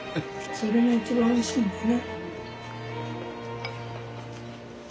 それが一番おいしいんだよね。